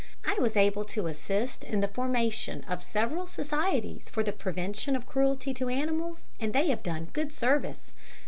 I was able to assist in the formation of several societies for the prevention of cruelty to animals, and they have done good service.